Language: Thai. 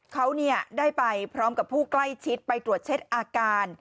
เขาได้ไปพร้อมกับผู้ใกล้ชิดไปตรวจเช็คอาการ